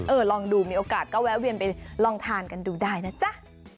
ลองดูมีโอกาสก็แวะเวียนไปลองทานกันดูได้นะจ๊ะ